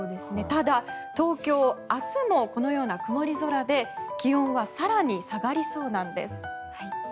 ただ、東京は明日もこのような曇り空で気温は更に下がりそうなんです。